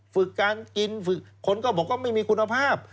ฝึกการกินฝึกคนก็บอกว่าไม่มีคุณภาพ